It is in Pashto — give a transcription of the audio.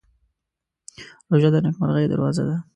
روژه د نېکمرغۍ دروازه ده.